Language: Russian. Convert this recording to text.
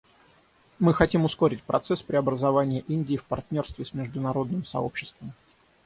Мы хотим ускорить процесс преобразования Индии в партнерстве с международным сообществом.